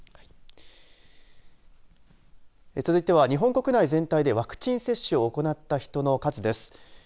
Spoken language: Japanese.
続いては、日本国内全体でワクチン接種を行った人の数です。